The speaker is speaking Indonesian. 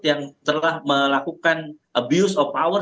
yang telah melakukan abuse of power